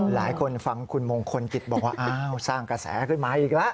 หลายคนฟังคุณมงคลกิจบอกว่าอ้าวสร้างกระแสขึ้นมาอีกแล้ว